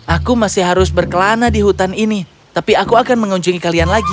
aku masih harus berkelana di hutan ini tapi aku akan mengunjungi kalian lagi